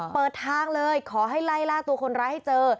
เปิดทางเลยขอให้ไล่ล่าตัวคนร้ายให้เจอ